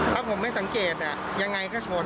ถ้าผมไม่สังเกตยังไงก็ชน